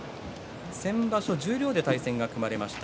先場所、十両で対戦が組まれました。